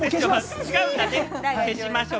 違うんだね、消しましょう。